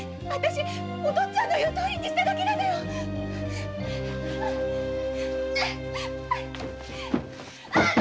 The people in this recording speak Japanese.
お父っつぁんの言うとおりにしただけよ・ウッ！